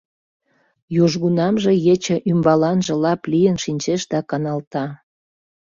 Южгунамже ече ӱмбаланже лап лийын шинчеш да каналта.